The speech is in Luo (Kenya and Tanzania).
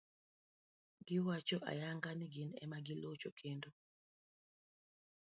Giwacho ayanga ni gin ema gilocho, kendo